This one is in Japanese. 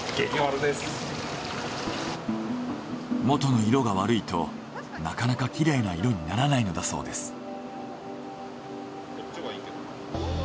元の色が悪いとなかなかきれいな色にならないのだそうです。